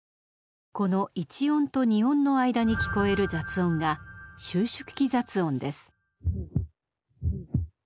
このⅠ音とⅡ音の間に聞こえる雑音が「収縮期雑音」です。